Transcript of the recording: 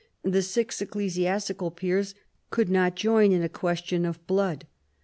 The six ecclesias tical peers could not join in a question of blood.